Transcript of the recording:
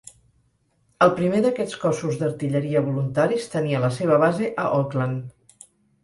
El primer d'aquests Cossos d'Artilleria Voluntaris tenia la seva base a Auckland.